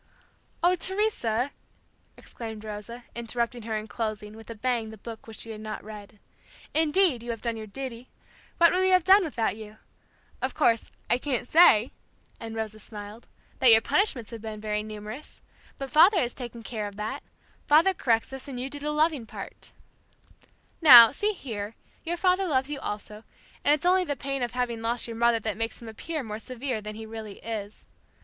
"Oh, Teresa," exclaimed Rosa, interrupting her and closing, with a bang the book which she had not read. "Indeed, you have done your duty. What would we have done without you? Of course, I can't say," and Rosa smiled, "that your punishments have been very numerous, but father has taken care of that. Father corrects us and you do the loving part" "Now, see here, your father loves you also, and it's only the pain of having lost your mother that makes him appear more severe than he really is.